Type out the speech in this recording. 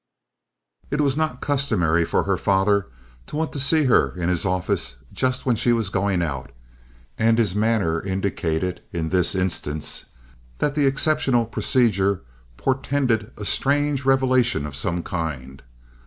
It was not customary for her father to want to see her in his office just when she was going out; and his manner indicated, in this instance, that the exceptional procedure portended a strange revelation of some kind.